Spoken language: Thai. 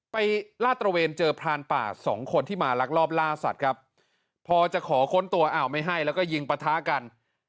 ลาดตระเวนเจอพรานป่าสองคนที่มาลักลอบล่าสัตว์ครับพอจะขอค้นตัวอ้าวไม่ให้แล้วก็ยิงปะทะกัน